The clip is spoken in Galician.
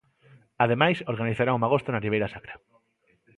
Ademais organizará un magosto na Ribeira Sacra.